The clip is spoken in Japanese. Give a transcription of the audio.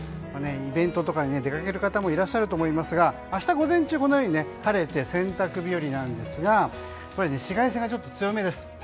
イベントとかに出かける方もいらっしゃるかと思いますが明日午前中は晴れて洗濯日和なんですが紫外線が強めです。